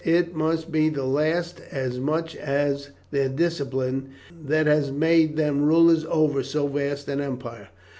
It must be the last as much as their discipline that has made them rulers over so vast an empire.